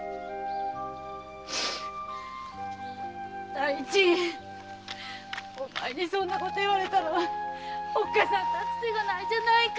太一お前にそんなこと言われたらおっかさん立つ瀬がないじゃないか。